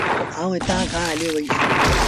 آئوٚݩ هتآݩ کآݩ هليو وهيٚس۔